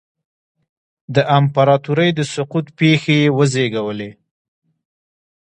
د امپراتورۍ د سقوط پېښې یې وزېږولې